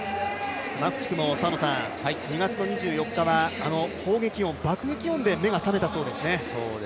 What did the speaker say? マフチクも２月２４日は砲撃、爆撃音で目が覚めたそうですね。